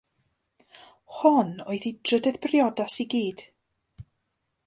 Hon oedd ei drydedd briodas i gyd.